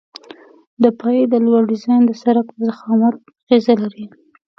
د پایې د لوډ ډیزاین د سرک په ضخامت اغیزه لري